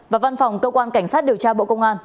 và văn phòng cơ quan cảnh sát điều tra bộ công an